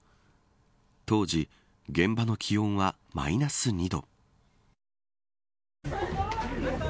当時、現場の気温はマイナス２度。